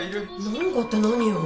なんかって何よ